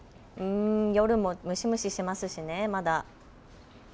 夜も蒸し蒸ししますしね、まだ。